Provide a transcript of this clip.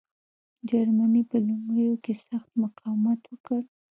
جرمني په لومړیو کې سخت مقاومت وکړ.